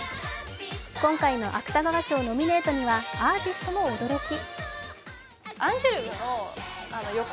今回の芥川賞ノミネートにはアーティストも驚き。